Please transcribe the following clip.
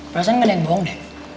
perasaan gak ada yang bohong deh